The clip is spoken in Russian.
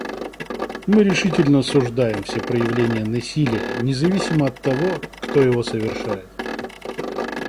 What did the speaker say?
Мы решительно осуждаем все проявления насилия независимо от того, кто его совершает.